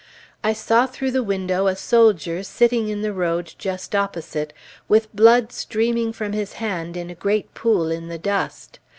I saw through the window a soldier sitting in the road just opposite, with blood streaming from his hand in a great pool in the dust.